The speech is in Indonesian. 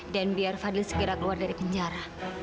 dan biar fadhil segera keluar dari penjara